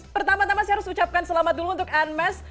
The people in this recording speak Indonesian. pertama tama saya harus ucapkan selamat dulu untuk anmesh